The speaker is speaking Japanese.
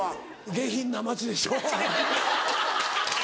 下品な町でしょ。